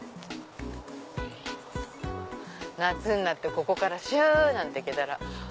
夏になってここからシュ！なんて行けたら。